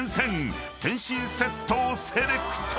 ［点心セットをセレクト］